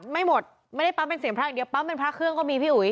ไม่หมดไม่ได้ปั๊มเป็นเสียงพระอย่างเดียวปั๊มเป็นพระเครื่องก็มีพี่อุ๋ย